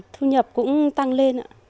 thu nhập cũng tăng lên